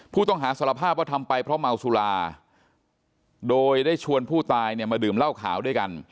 ผู้ต้องหาสารภาพว่าทำไปเพราะเมาสุราโดยได้ชวนผู้ตายเนี่ยมาดื่มเหล้าขาวด้วยกัน